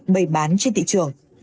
bày bán trên thị trường